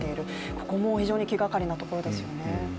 ここも非常に気がかりなところですよね。